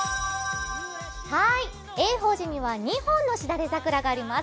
永寶寺には２本のしだれ桜があります。